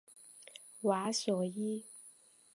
瓦索伊。